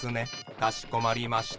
かしこまりました。